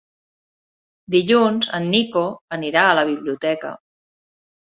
Dilluns en Nico anirà a la biblioteca.